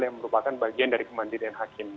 yang merupakan bagian dari kemandirian hakim